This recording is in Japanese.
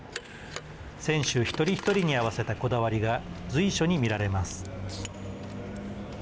選手一人一人に合わせたこだわりが随所に見られます。